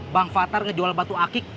bang fathar ngejual batu akik